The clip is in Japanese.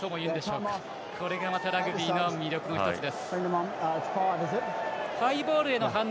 これが、またラグビーの魅力の１つです。